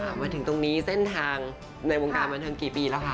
มาถึงตรงนี้เส้นทางในวงการบันเทิงกี่ปีแล้วคะ